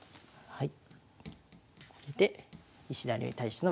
はい。